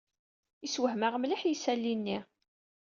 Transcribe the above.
Yessewhem-aɣ mliḥ yisali-nni.